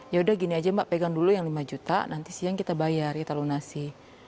yaudah gini aja mbak pegang dulu yang lima juta nanti siang kita bayar kita lunasi